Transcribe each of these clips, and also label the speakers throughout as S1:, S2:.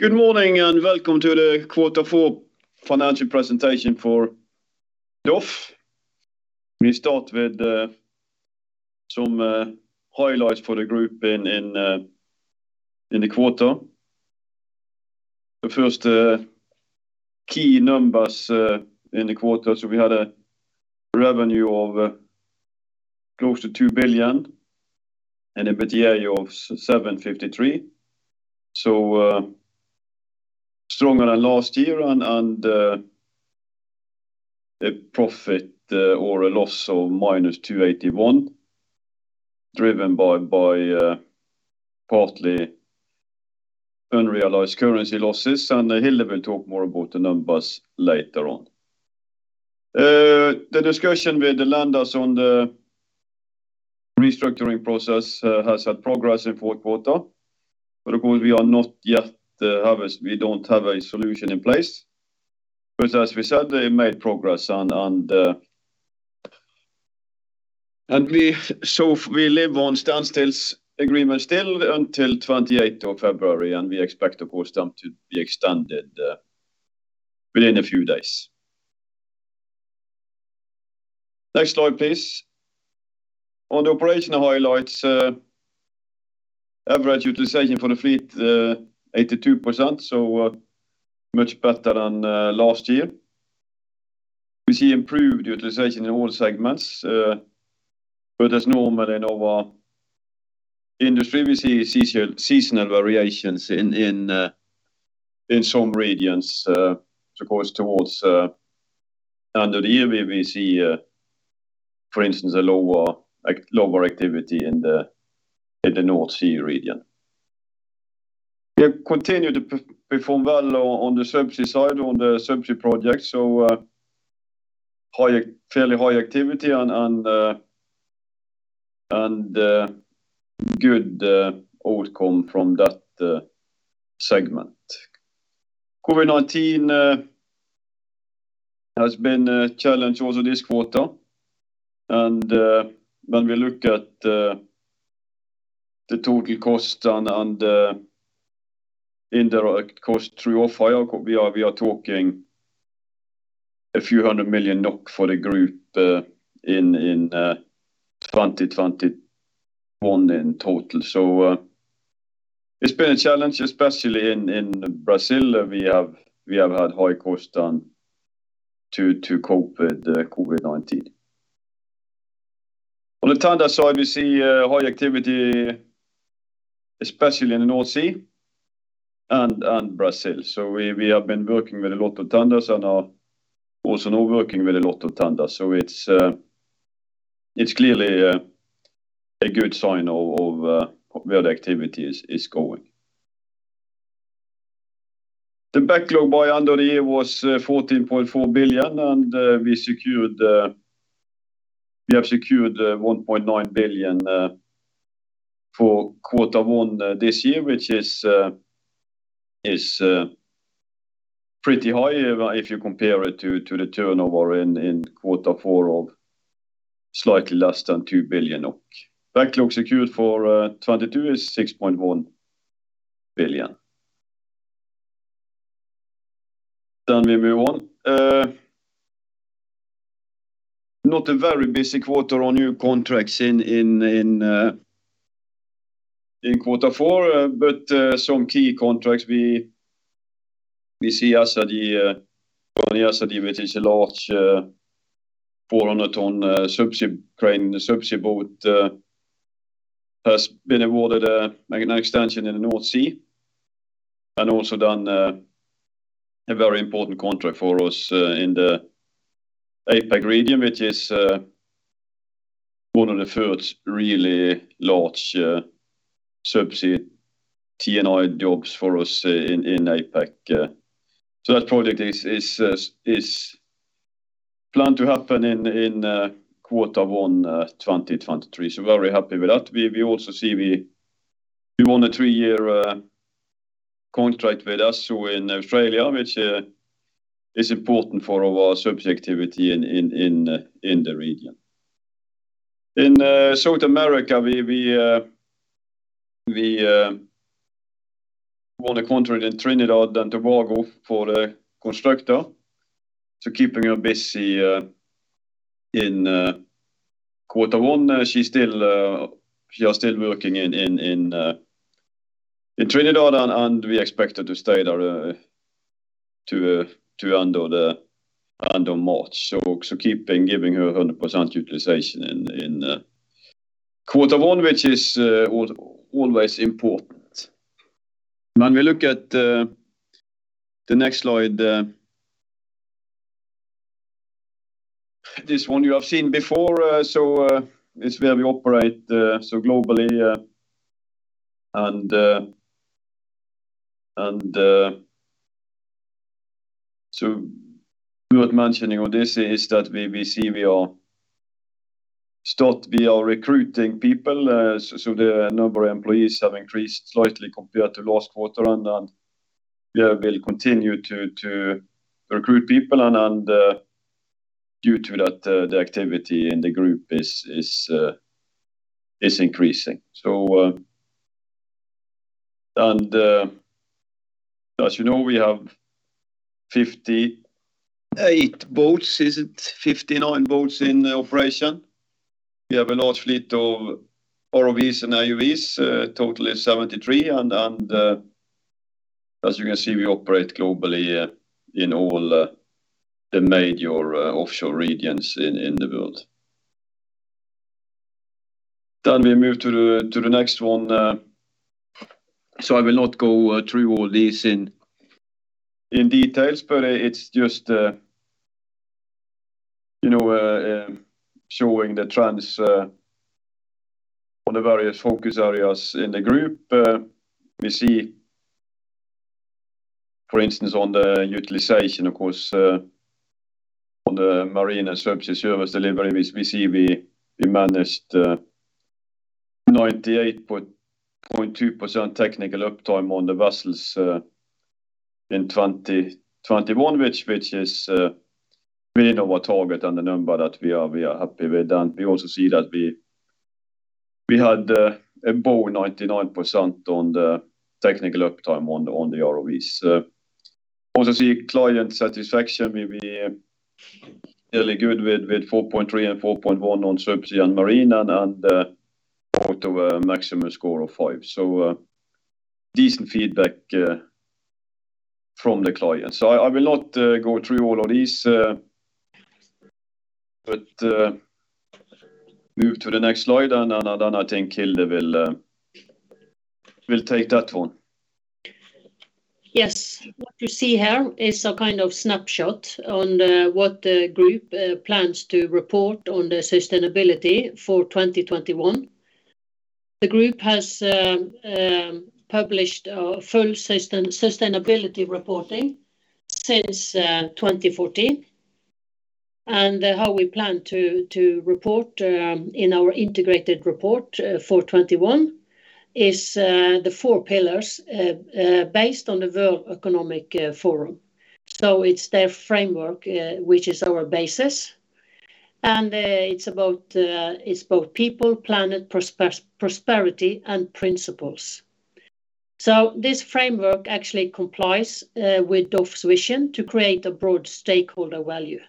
S1: Good morning and welcome to the quarter four financial presentation for DOF. We start with some highlights for the group in the quarter. First, key numbers in the quarter. We had a revenue of close to 2 billion and EBITDA of 753 million. Stronger than last year and a profit or a loss of -281 million, driven by partly unrealized currency losses. Hilde will talk more about the numbers later on. The discussion with the lenders on the restructuring process has had progress in fourth quarter. Of course we don't have a solution in place. As we said, they made progress on the We live on standstill agreements still until 28th of February, and we expect the standstill to be extended within a few days. Next slide, please. On the operational highlights, average utilization for the fleet, 82%, much better than last year. We see improved utilization in all segments. But as normal in our industry, we see seasonal variations in some regions. Of course towards end of the year, we see, for instance, a lower activity in the North Sea region. We have continued to perform well on the subsea side, on the subsea projects. Fairly high activity and good outcome from that segment. COVID-19 has been a challenge also this quarter and when we look at the total cost and indirect cost, we are talking a few hundred million Norwegian kroner for the group in 2021 in total. It's been a challenge especially in Brazil, we have had high cost and to cope with COVID-19. On the tender side, we see high activity especially in the North Sea and Brazil. We have been working with a lot of tenders and are also now working with a lot of tenders. It's clearly a good sign of where the activity is going. The backlog by end of the year was 14.4 billion, and we have secured 1.9 billion for quarter one this year, which is pretty high if you compare it to the turnover in quarter four of slightly less than 2 billion. Backlog secured for 2022 is 6.1 billion. We move on. Not a very busy quarter on new contracts in quarter four. Some key contracts we see Skandi Acergy which is a large 400-ton subsea crane subsea boat has been awarded an extension in the North Sea. We also won a very important contract for us in the APAC region, which is one of the first really large subsea T&I jobs for us in APAC. That project is planned to happen in quarter one 2023. Very happy with that. We also won a three-year contract with Esso in Australia, which is important for our subsea activity in the region. In South America, we won a contract in Trinidad and Tobago for the Skandi Constructor. Keeping her busy in quarter one, she is still working in Trinidad and we expect her to stay there to the end of March. Keeping her 100% utilization in quarter one, which is always important. When we look at the next slide, this one you have seen before, it's where we operate globally. Worth mentioning on this is that we are recruiting people. The number of employees have increased slightly compared to last quarter, and we'll continue to recruit people. Due to that, the activity in the group is increasing. As you know, we have 58 boats, is it 59 boats in operation. We have a large fleet of ROVs and AUVs, totally 73. As you can see, we operate globally in all the major offshore regions in the world. We move to the next one. I will not go through all these in details, but it's just, you know, showing the trends on the various focus areas in the group. We see, for instance, on the utilization, of course, on the marine and subsea service delivery, we see we managed 98.2% technical uptime on the vessels in 2021 which is within our target and the number that we are happy with. We also see that we had above 99% on the technical uptime on the ROVs. We also see client satisfaction. We are fairly good with 4.3 and 4.1 on subsea and marine, out of a maximum score of five. Decent feedback from the clients. I will not go through all of these, but move to the next slide, and then I think Hilde will take that one.
S2: Yes. What you see here is a kind of snapshot on what the group plans to report on the sustainability for 2021. The group has published a full sustainability reporting since 2014. How we plan to report in our integrated report for 2021 is the four pillars based on the World Economic Forum. It's their framework which is our basis. It's about people, planet, prosperity, and principles. This framework actually complies with DOF's vision to create a broad stakeholder value.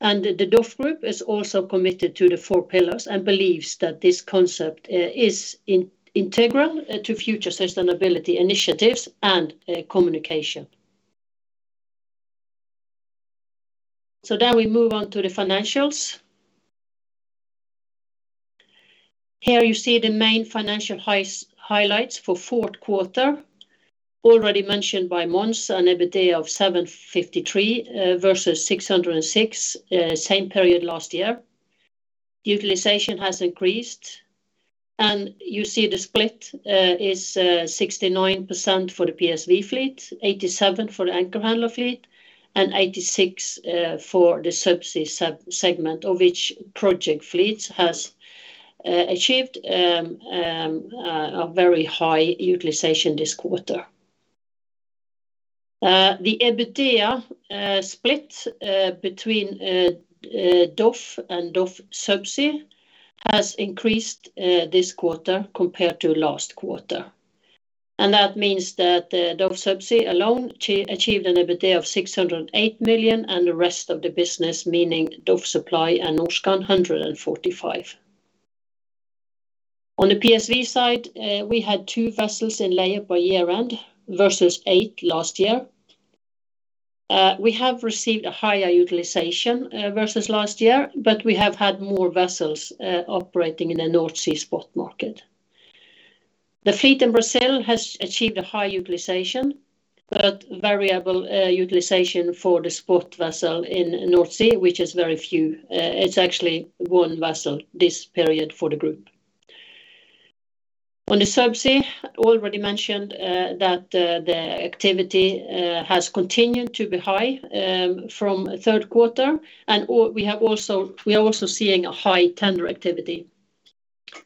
S2: The DOF Group is also committed to the four pillars and believes that this concept is integral to future sustainability initiatives and communication. Now we move on to the financials. Here you see the main financial highlights for fourth quarter. Already mentioned by Mons, an EBITDA of 753 million versus 606 million same period last year. Utilization has increased, and you see the split is 69% for the PSV fleet, 87% for the anchor handler fleet, and 86% for the subsea segment, of which project fleet has achieved a very high utilization this quarter. The EBITDA split between DOF and DOF Subsea has increased this quarter compared to last quarter. That means that DOF Subsea alone achieved an EBITDA of 608 million, and the rest of the business, meaning DOF Supply and Norskan, 145 million. On the PSV side, we had two vessels in layup by year-end versus eight last year. We have received a higher utilization versus last year, but we have had more vessels operating in the North Sea spot market. The fleet in Brazil has achieved a high utilization, but variable utilization for the spot vessel in North Sea, which is very few. It's actually one vessel this period for the group. On the subsea, already mentioned that the activity has continued to be high from third quarter. We are also seeing a high tender activity.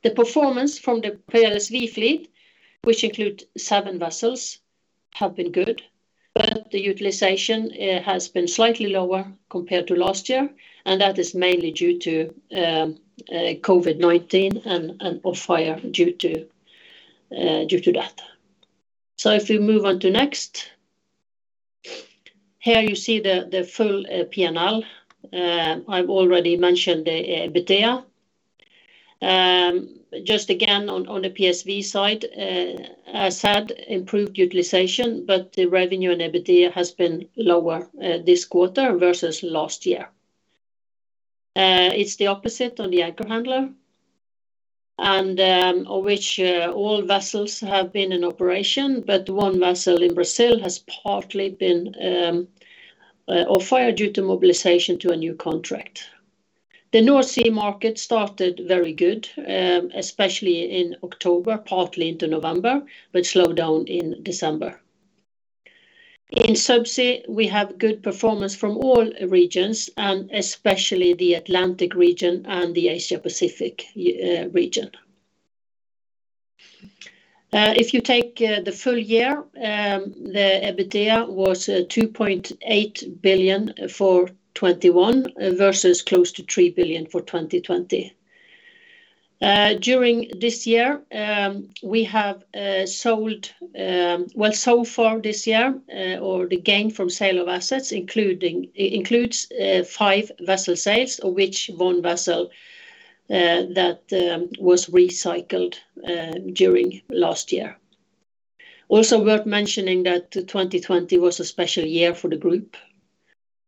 S2: The performance from the PSV fleet, which include seven vessels, have been good, but the utilization has been slightly lower compared to last year, and that is mainly due to COVID-19 and off-hire due to that. If we move on to next. Here you see the full P&L. I've already mentioned the EBITDA. Just again, on the PSV side, as said, improved utilization, but the revenue and EBITDA has been lower this quarter versus last year. It's the opposite on the anchor handler, and of which all vessels have been in operation, but one vessel in Brazil has partly been off-hire due to mobilization to a new contract. The North Sea market started very good, especially in October, partly into November, but slowed down in December. In subsea, we have good performance from all regions, and especially the Atlantic region and the Asia Pacific region. If you take the full year, the EBITDA was 2.8 billion for 2021 versus close to 3 billion for 2020. Well, so far this year, the gain from sale of assets including five vessel sales of which one vessel that was recycled during last year. Also worth mentioning that 2020 was a special year for the group,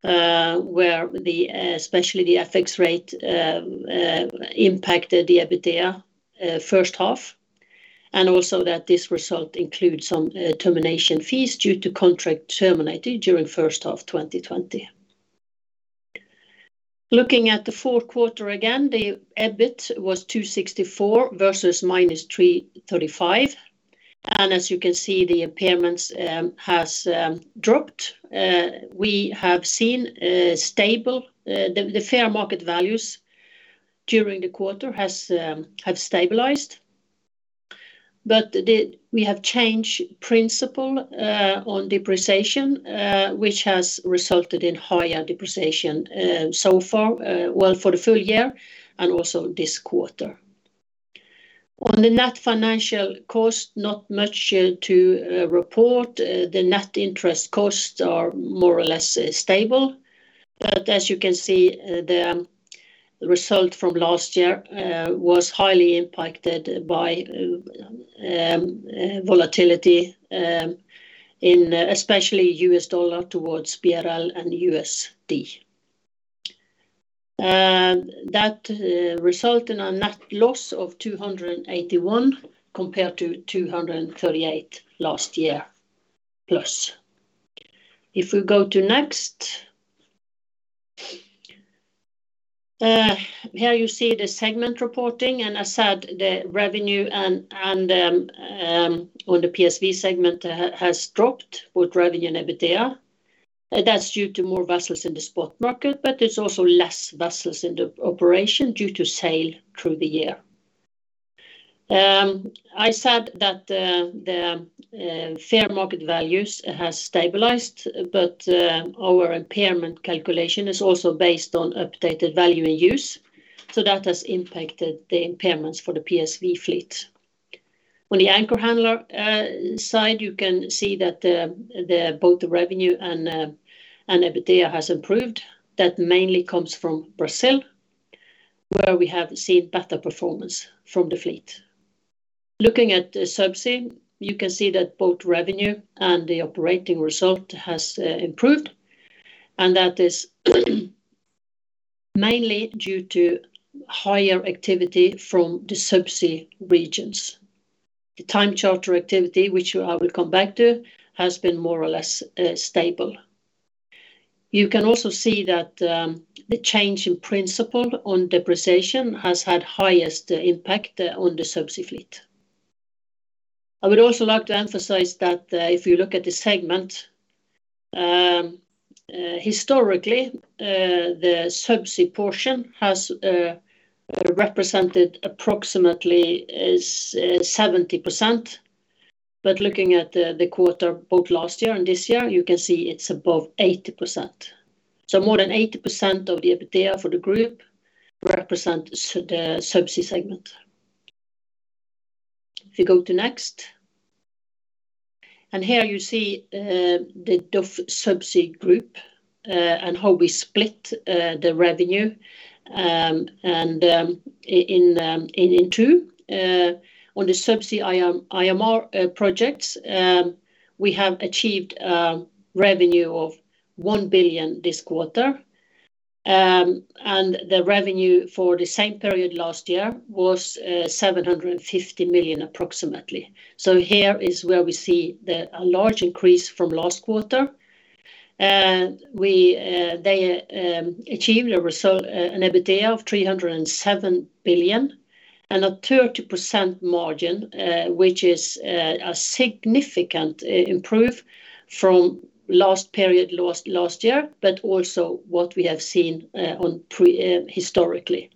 S2: where especially the FX rate impacted the EBITDA first half. Also that this result includes some termination fees due to contract terminated during first half 2020. Looking at the fourth quarter again, the EBIT was 264 versus -335. As you can see, the impairments has dropped. We have seen stable the fair market values during the quarter have stabilized. We have changed principle on depreciation, which has resulted in higher depreciation so far, well, for the full year and also this quarter. On the net financial cost, not much to report. The net interest costs are more or less stable. As you can see, the result from last year was highly impacted by volatility in especially U.S. dollar towards Brazilian real and US dollars. That result in a net loss of 281 compared to 238 last year plus. If we go to next. Here you see the segment reporting and as said, the revenue and on the PSV segment has dropped both revenue and EBITDA. That's due to more vessels in the spot market, but it's also less vessels in the operation due to sale through the year. I said that the fair market values has stabilized, but our impairment calculation is also based on updated value and use. That has impacted the impairments for the PSV fleet. On the anchor handler side, you can see that both the revenue and EBITDA has improved. That mainly comes from Brazil, where we have seen better performance from the fleet. Looking at the Subsea, you can see that both revenue and the operating result has improved, and that is mainly due to higher activity from the subsea regions. The time charter activity, which I will come back to, has been more or less stable. You can also see that the change in principle on depreciation has had highest impact on the subsea fleet. I would also like to emphasize that if you look at the segment historically the subsea portion has represented approximately 70%. Looking at the quarter both last year and this year you can see it's above 80%. More than 80% of the EBITDA for the group represents the subsea segment. If you go to next. Here you see the DOF Subsea group and how we split the revenue and in two. On the subsea IMR projects we have achieved revenue of 1 billion this quarter. The revenue for the same period last year was approximately 750 million. Here is where we see a large increase from last quarter. They achieved a result, an EBITDA of 307 million and a 30% margin, which is a significant improve from last period last year, but also what we have seen previously, historically.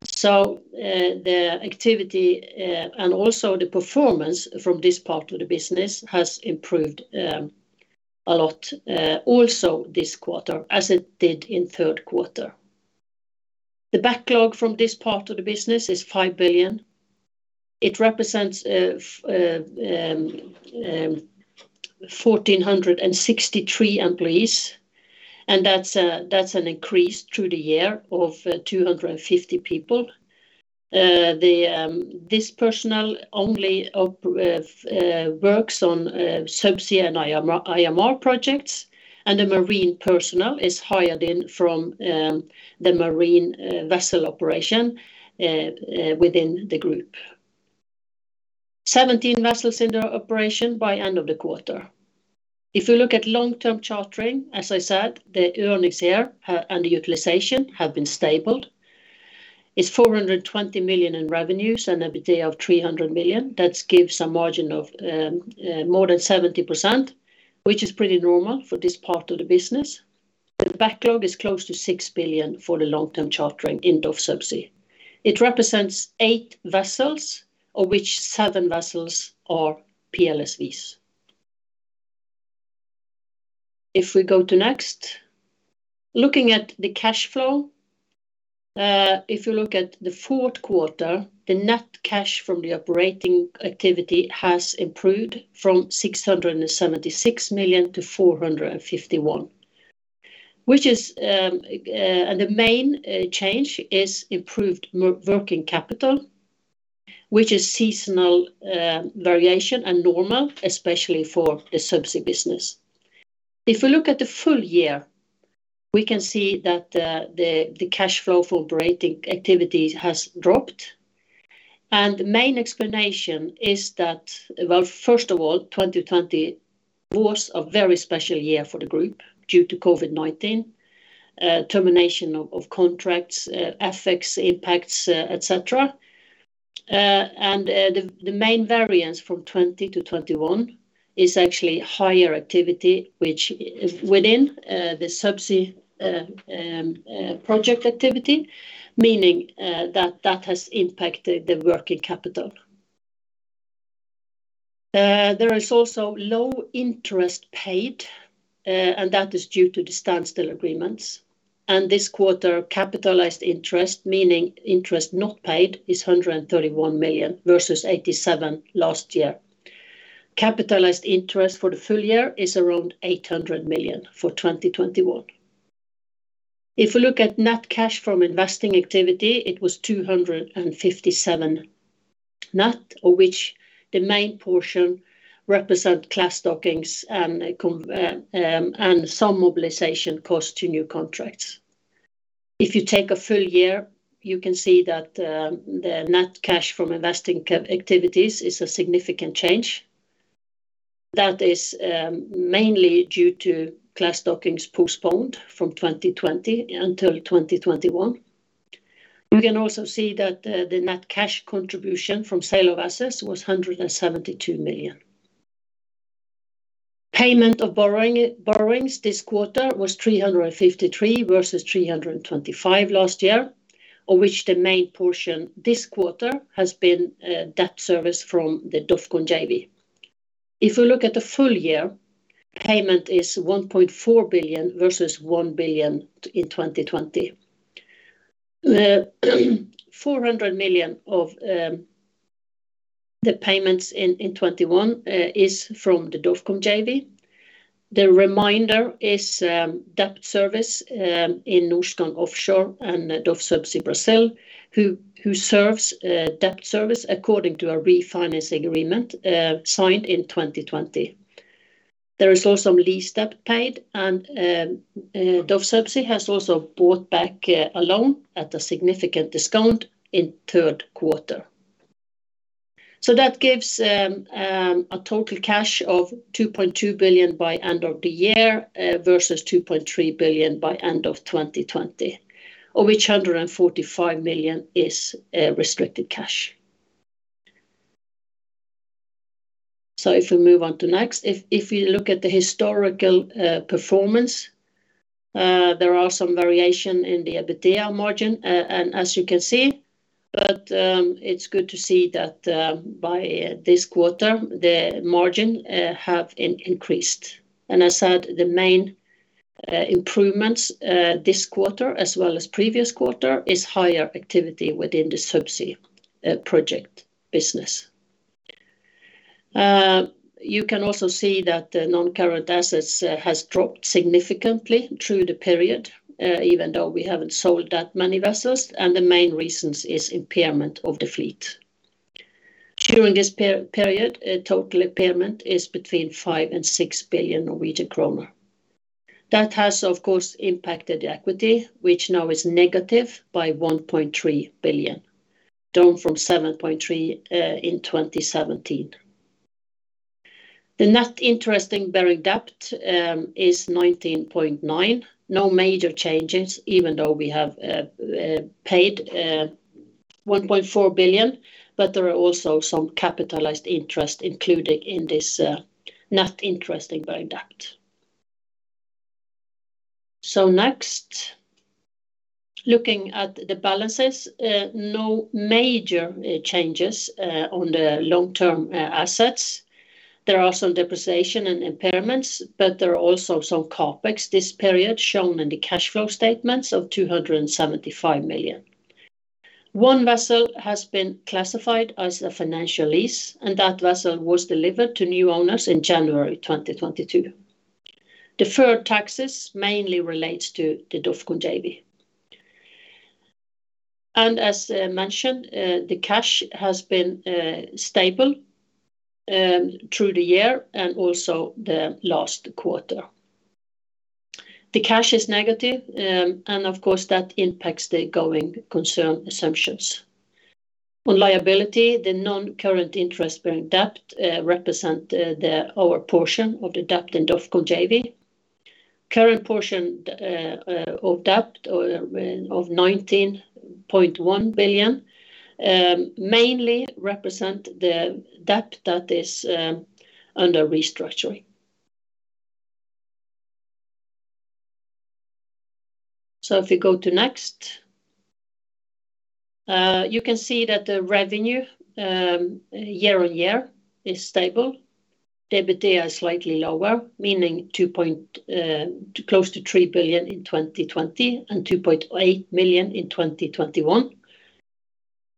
S2: The activity and also the performance from this part of the business has improved a lot, also this quarter, as it did in third quarter. The backlog from this part of the business is 5 billion. It represents 1,463 employees, and that's an increase through the year of 250 people. This personnel only op works on Subsea and IMR projects, and the marine personnel is hired in from the marine vessel operation within the group. 17 vessels in the operation by end of the quarter. If you look at long-term chartering, as I said, the earnings here and the utilization have been stable. It's 420 million in revenues and EBITDA of 300 million. That gives a margin of more than 70%, which is pretty normal for this part of the business. The backlog is close to 6 billion for the long-term chartering in DOF Subsea. It represents eight vessels, of which seven vessels are PLSVs. If we go to next. Looking at the cash flow, if you look at the fourth quarter, the net cash from the operating activity has improved from 676 million to 451 million, which is the main change is improved working capital, which is seasonal variation and normal, especially for the subsea business. If we look at the full year, we can see that the cash flow for operating activities has dropped. The main explanation is that. Well, first of all, 2020 was a very special year for the group due to COVID-19, termination of contracts, FX impacts, et cetera. The main variance from 2020 to 2021 is actually higher activity which within the subsea project activity, meaning that has impacted the working capital. There is also low interest paid, and that is due to the standstill agreements. This quarter, capitalized interest, meaning interest not paid, is 131 million versus 87 million last year. Capitalized interest for the full year is around 800 million for 2021. If you look at net cash from investing activity, it was 257 million net, of which the main portion represent class dockings and some mobilization cost to new contracts. If you take a full year, you can see that the net cash from investing activities is a significant change. That is mainly due to class dockings postponed from 2020 until 2021. You can also see that the net cash contribution from sale of assets was 172 million. Payment of borrowings this quarter was 353 million versus 325 million last year, of which the main portion this quarter has been debt service from the DOFCON JV. If you look at the full year, payment is 1.4 billion versus 1 billion in 2020. 400 million of the payments in 2021 is from the DOFCON JV. The remainder is debt service in Norskan Offshore and DOF Subsea Brasil who serves debt service according to a refinancing agreement signed in 2020. There is also some lease debt paid and DOF Subsea has also bought back a loan at a significant discount in third quarter. That gives a total cash of 2.2 billion by end of the year, versus 2.3 billion by end of 2020, of which 145 million is restricted cash. If we move on to next. If you look at the historical performance, there are some variation in the EBITDA margin, and as you can see. It's good to see that by this quarter, the margin have increased. I said the main improvements this quarter as well as previous quarter is higher activity within the subsea project business. You can also see that the non-current assets has dropped significantly through the period, even though we haven't sold that many vessels, and the main reasons is impairment of the fleet. During this period, total impairment is between 5 billion and 6 billion Norwegian kroner. That has, of course, impacted the equity, which now is negative by 1.3 billion, down from 7.3 billion in 2017. The net interest-bearing debt is 19.9 billion. No major changes even though we have paid 1.4 billion, but there are also some capitalized interest included in this net interest-bearing debt. Next. Looking at the balances, no major changes on the long-term assets. There are some depreciation and impairments, but there are also some CapEx this period shown in the cash flow statements of 275 million. One vessel has been classified as a finance lease, and that vessel was delivered to new owners in January 2022. Deferred taxes mainly relates to the DOFCON JV. As mentioned, the cash has been stable through the year and also the last quarter. The cash is negative, and of course, that impacts the going concern assumptions. On liability, the non-current interest-bearing debt represent our portion of the debt in DOFCON JV. Current portion of debt of 19.1 billion mainly represent the debt that is under restructuring. If you go to next. You can see that the revenue year-over-year is stable. EBITDA is slightly lower, meaning 2, close to 3 billion in 2020, and 2.8 billion in 2021.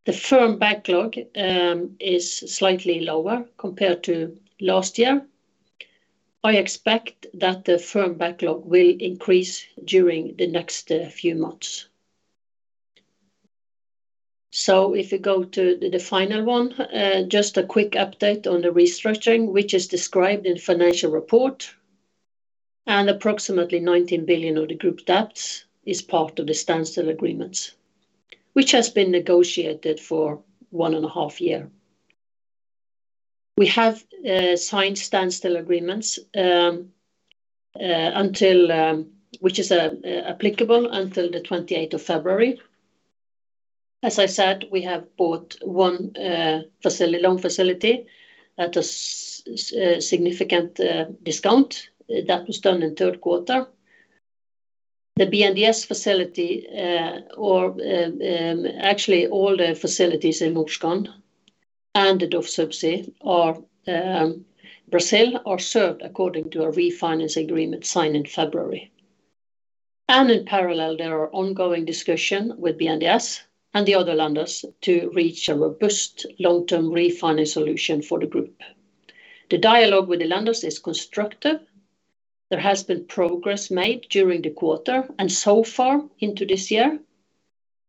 S2: The firm backlog is slightly lower compared to last year. I expect that the firm backlog will increase during the next few months. If you go to the final one, just a quick update on the restructuring which is described in financial report, and approximately 19 billion of the group debts is part of the standstill agreements, which has been negotiated for one and a half year. We have signed standstill agreements until which is applicable until the 28th of February. As I said, we have bought one facility, loan facility at a significant discount. That was done in the third quarter. The BNDES facility, or actually all the facilities in Norskan and the DOF Subsea Brasil are served according to a refinance agreement signed in February. In parallel, there are ongoing discussion with BNDES and the other lenders to reach a robust long-term refinance solution for the group. The dialogue with the lenders is constructive. There has been progress made during the quarter and so far into this year.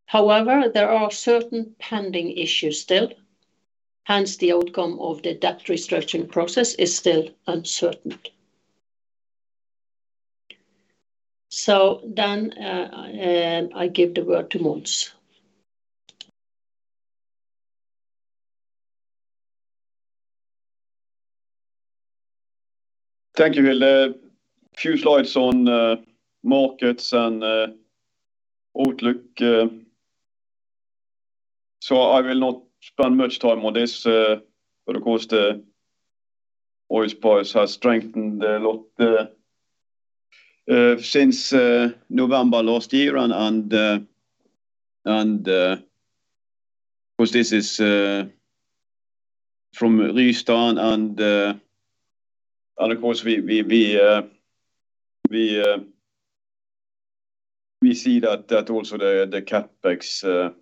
S2: However, there are certain pending issues still, hence, the outcome of the debt restructuring process is still uncertain. I give the word to Mons.
S1: Thank you, Hilde. A few slides on markets and outlook. I will not spend much time on this because the oil price has strengthened a lot since November last year because this is from Rystad and of course we see that also the CapEx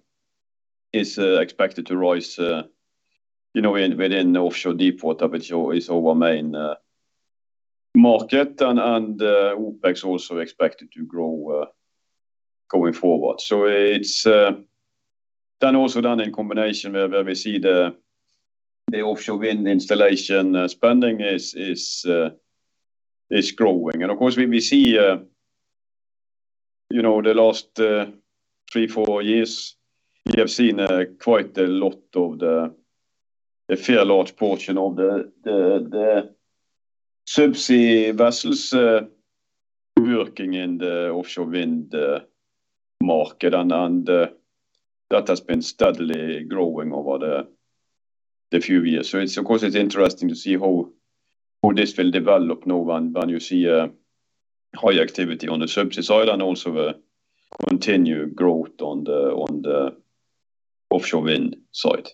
S1: is expected to rise you know within offshore deepwater which is our main market. OpEx also expected to grow going forward. It's then also then in combination where we see the offshore wind installation spending is growing. Of course we see you know the last three, four years we have seen quite a lot of the. A fair large portion of the Subsea vessels working in the offshore wind market. That has been steadily growing over the few years. It's of course interesting to see how this will develop now when you see a high activity on the Subsea side and also the continued growth on the offshore wind side.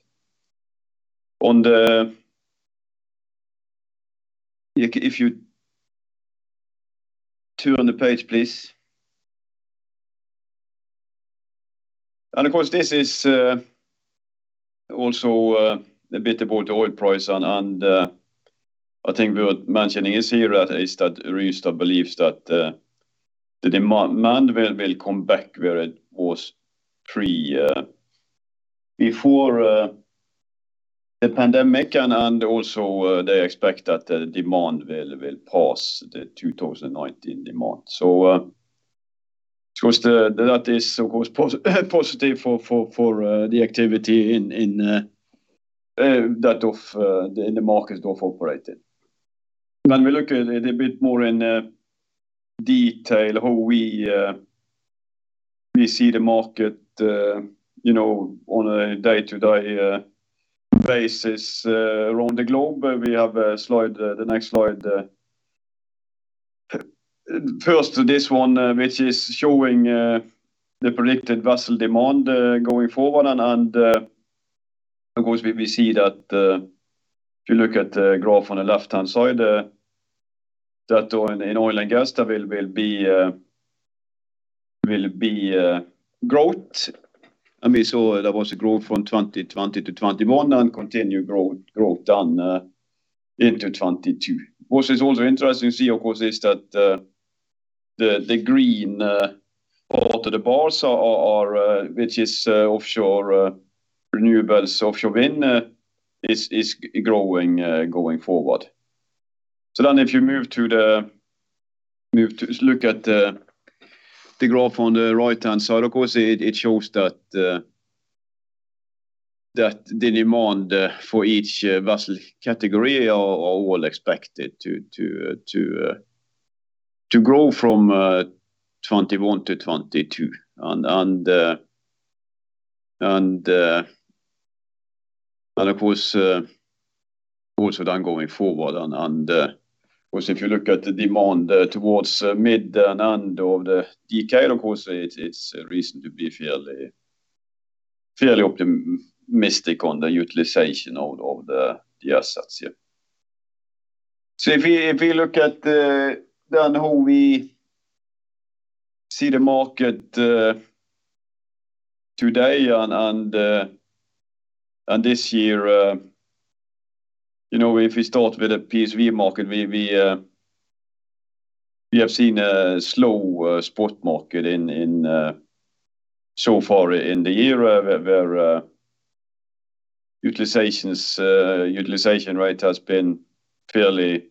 S1: If you turn the page, please. Of course, this is also a bit about the oil price and I think we were mentioning here that Rystad believes that the demand will come back where it was before the pandemic. They also expect that the demand will pass the 2019 demand. Of course that is of course positive for the activity in the operating markets. When we look at it a bit more in detail, how we see the market, you know, on a day-to-day basis around the globe. We have a slide, the next slide. First this one, which is showing the predicted vessel demand going forward. Of course we see that if you look at the graph on the left-hand side that in oil and gas there will be growth. We saw there was a growth from 2020 to 2021 and continued growth then into 2022. What is also interesting to see of course is that the green part of the bars are which is offshore renewables. Offshore wind is growing going forward. If you move to look at the graph on the right-hand side, of course it shows that the demand for each vessel category are all expected to grow from 2021 to 2022. Of course, also then going forward and of course if you look at the demand towards mid and end of the decade, of course, it is a reason to be fairly optimistic on the utilization of the assets, yeah. If we look at then how we see the market today and this year, you know, if we start with the PSV market, we have seen a slow spot market in so far in the year where utilization rate has been fairly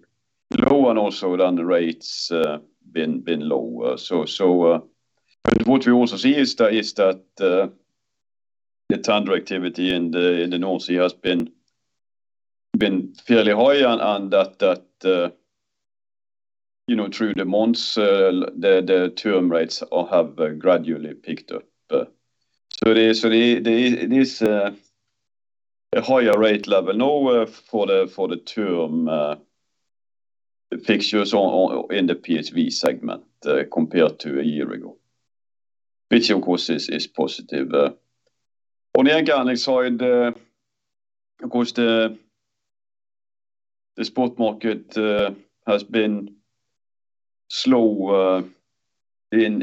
S1: low and also then the rates been low. But what we also see is that the tender activity in the North Sea has been fairly high and that, you know, through the months, the term rates have gradually picked up. There is a higher rate level now for the term fixtures in the PSV segment compared to a year ago, which of course is positive. On the anchor handling side, of course the spot market has been slow in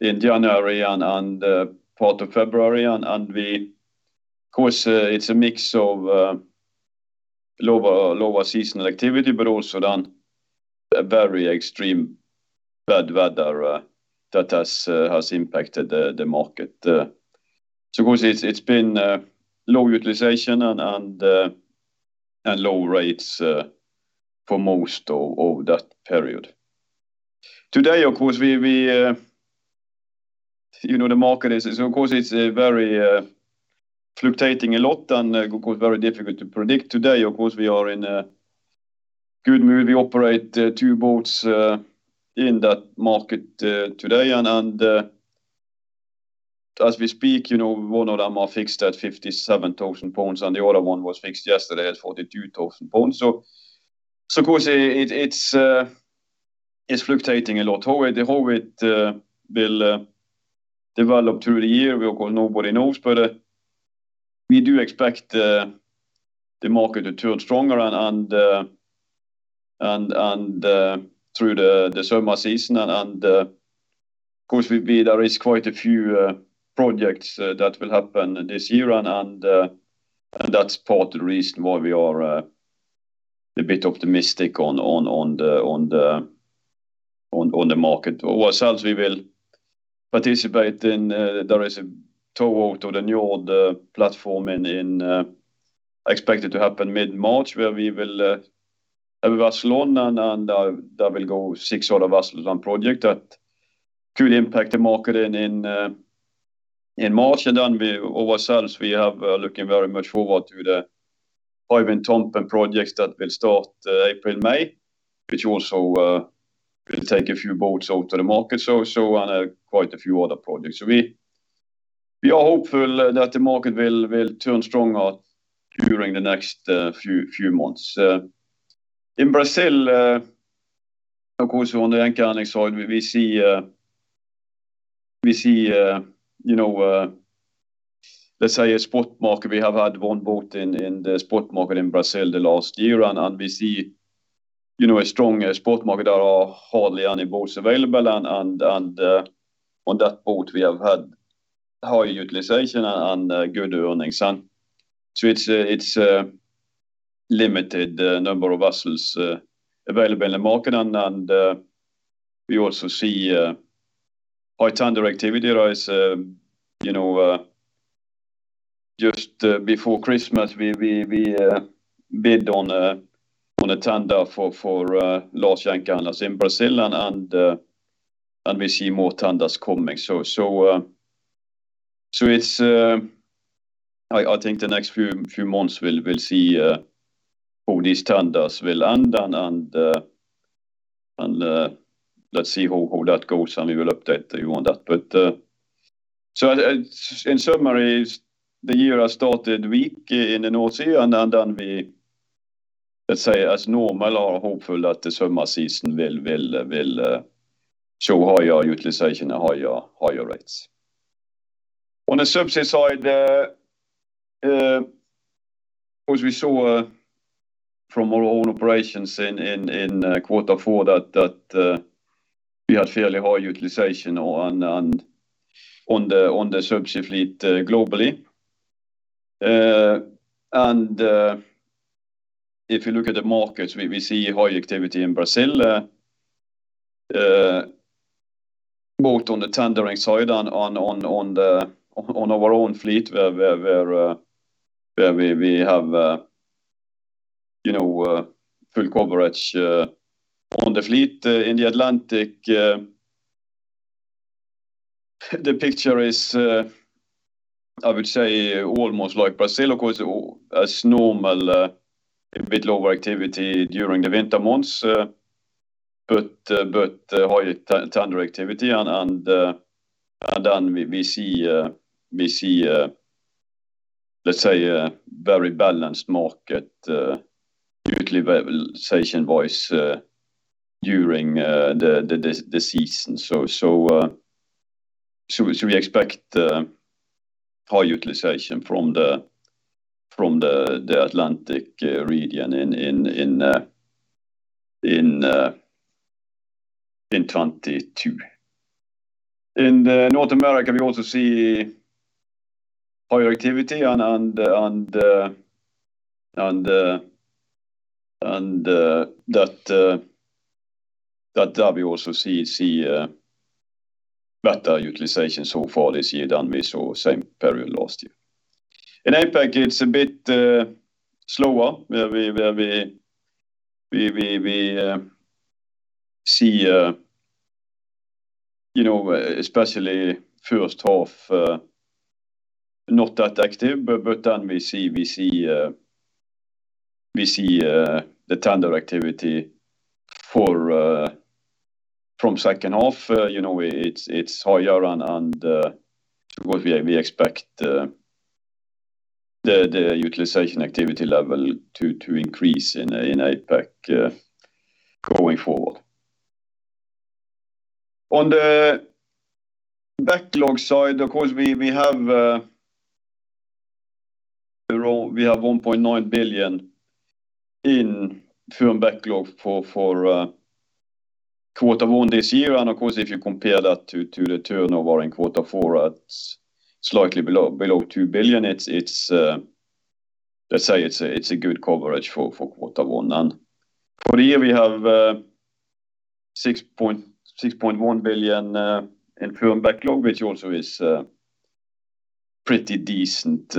S1: January and part of February. Of course it's a mix of lower seasonal activity, but also then a very extreme bad weather that has impacted the market. Of course it's been low utilization and low rates for most of that period. Today, of course, you know, the market is, of course, it's very fluctuating a lot and of course very difficult to predict. Today, of course, we are in a good mood. We operate two boats in that market today and as we speak, you know, one of them are fixed at 57,000 pounds and the other one was fixed yesterday at 42,000 pounds. Of course it's fluctuating a lot. How it will develop through the year, of course nobody knows, but we do expect the market to turn stronger and through the summer season and of course there is quite a few projects that will happen this year and that's part of the reason why we are a bit optimistic on the market. ourselves will participate in. There is a tow-out of the new oil platform expected to happen mid-March where we will have a vessel on, and there will go six other vessels on project that could impact the market in March. We ourselves are looking very much forward to the Hywind Tampen projects that will start April, May, which also will take a few boats out of the market and quite a few other projects. We are hopeful that the market will turn stronger during the next few months. In Brazil, of course on the anchor handling side, we see, you know, let's say a spot market. We have had one boat in the spot market in Brazil the last year and we see, you know, a strong spot market that are hardly any boats available and on that boat we have had high utilization and good earnings. It's limited number of vessels available in the market and we also see high tender activity. There is, you know, just before Christmas, we bid on a tender for large anchor handlers in Brazil and we see more tenders coming. I think the next few months we'll see how these tenders will end and let's see how that goes and we will update you on that. In summary, the year has started weak in the North Sea and then we, let's say as normal are hopeful that the summer season will show higher utilization and higher rates. On the subsea side, of course we saw from our own operations in quarter four that we had fairly high utilization on the subsea fleet globally. If you look at the markets, we see high activity in Brazil, both on the tendering side and on our own fleet where we have, you know, full coverage on the fleet in the Atlantic. The picture is, I would say almost like Brazil, of course, as normal, a bit lower activity during the winter months, but higher tender activity and then we see, let's say a very balanced market, utilization-wise, during the season. We expect high utilization from the Atlantic region in 2022. In North America, we also see higher activity and that there we also see better utilization so far this year than we saw same period last year. In APAC, it's a bit slower where we see, you know, especially first half not that active, but then we see the tender activity from second half. You know, it's higher and so what we expect the utilization activity level to increase in APAC going forward. On the backlog side, of course, we have 1.9 billion in firm backlog for quarter one this year. Of course, if you compare that to the turnover in quarter four at slightly below 2 billion, it's, let's say, a good coverage for quarter one. For the year, we have 6.1 billion in firm backlog, which also is pretty decent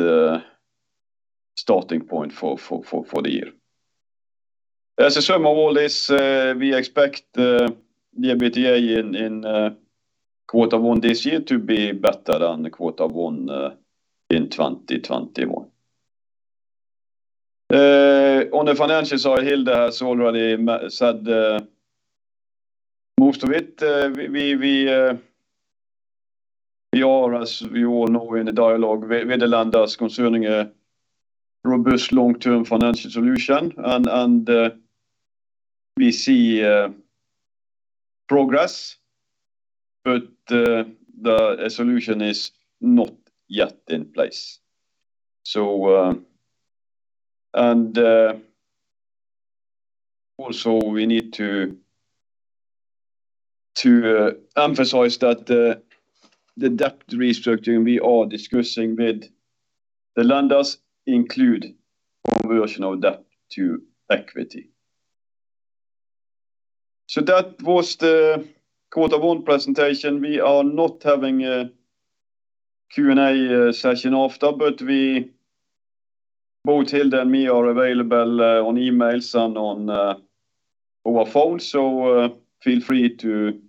S1: starting point for the year. As a sum of all this, we expect EBITDA in quarter one this year to be better than quarter one in 2021. On the financial side, Hilde has already said most of it. We are, as we are now, in a dialogue with the lenders concerning a robust long-term financial solution. We see progress, but the solution is not yet in place. We need to emphasize that the debt restructuring we are discussing with the lenders include conversion of debt to equity. That was the quarter one presentation. We are not having a Q&A session after, but we, both Hilde and me are available on emails and on our phones. Feel free to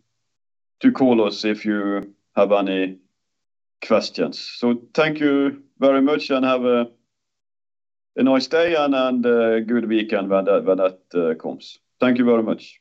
S1: call us if you have any questions. Thank you very much and have a nice day and good weekend when that comes. Thank you very much.